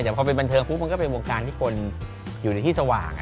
แต่พอเป็นบันเทิงปุ๊บมันก็เป็นวงการที่คนอยู่ในที่สว่าง